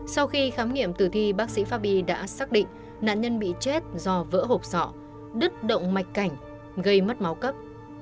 sau khi khám nghiệm tử thi bác sĩ pháp bi đã xác định nạn nhân bị chết do vỡ hộp sọ đứt động mạch cảnh gây mất máu cấp